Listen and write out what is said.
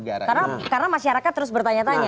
karena masyarakat terus bertanya tanya